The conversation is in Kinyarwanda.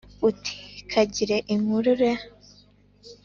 uti kagire inkuru re!